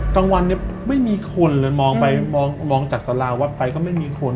ตั้งวันไม่มีคนเลยมองจากสาราวัดไปก็ไม่มีคน